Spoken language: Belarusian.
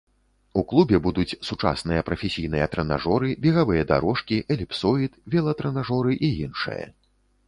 У клубе будуць сучасныя прафесійныя трэнажоры, бегавыя дарожкі, эліпсоід, велатрэнажоры і іншае.